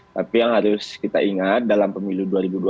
tapi yang harus kita ingat dalam pemilu dua ribu dua puluh